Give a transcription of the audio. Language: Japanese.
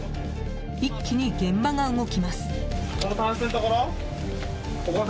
一気に現場が動きます。